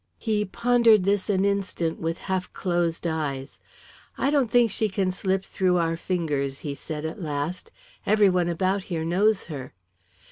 He pondered this an instant with half closed eyes. "I don't think she can slip through our fingers," he said, at last. "Every one about here knows her."